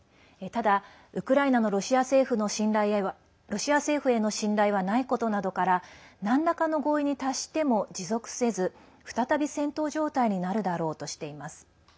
ただウクライナのロシア政府への信頼はないことなどから何らかの合意に達しても持続せず再び戦闘状態になるだろうとしています。